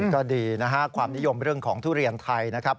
ก็ดีนะฮะความนิยมเรื่องของทุเรียนไทยนะครับ